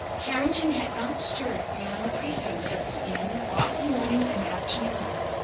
Carrington had not stirred beyond the precincts of the inn all the morning and afternoon.